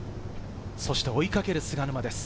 そして、追いかける菅沼です。